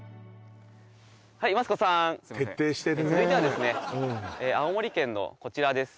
はいマツコさん続いてはですね青森県のこちらです